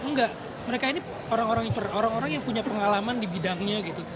enggak mereka ini orang orang yang punya pengalaman di bidangnya gitu